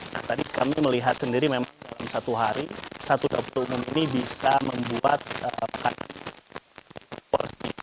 nah tadi kami melihat sendiri memang dalam satu hari satu dapur umum ini bisa membuat makanan porsi